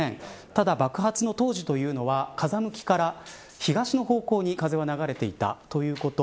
ただ、爆発の当時というのは風向きから東の方向に風は流れていたということ。